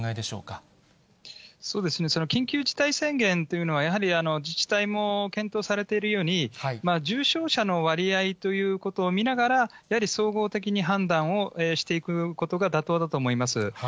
そうですね、緊急事態宣言っていうのは、やはり自治体も検討されているように、重症者の割合ということを見ながら、総合的に判断をしていくことが妥当だと思います。